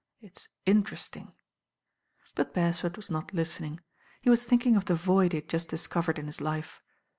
It's interesting." But Beresford was not listening. He was think ing of the void he had just discovered in his life.